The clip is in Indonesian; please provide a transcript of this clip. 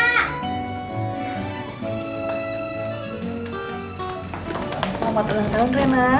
selamat ulang tahun reyna